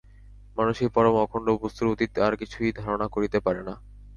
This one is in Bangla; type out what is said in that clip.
মানুষ এই পরম অখণ্ড বস্তুর অতীত আর কিছুই ধারণা করিতে পারে না।